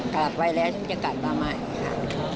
กลับไวแล้วฉันจะกลับมาใหม่ค่ะ